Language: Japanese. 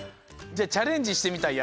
じゃあチャレンジしてみたい